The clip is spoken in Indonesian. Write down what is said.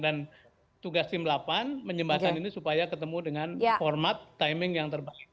dan tugas tim delapan menyembahkan ini supaya ketemu dengan format timing yang terbaik